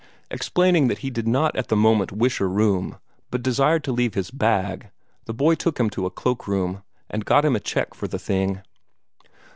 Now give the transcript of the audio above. Explaining that he did not at that moment wish a room, but desired to leave his bag, the boy took him to a cloak room, and got him a check for the thing.